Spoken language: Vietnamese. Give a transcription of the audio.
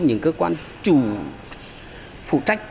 những cơ quan chủ phụ trách